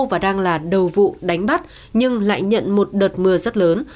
và đang là đầu vụ đánh bắt nhưng lại nhận một đợt mưa rất lớn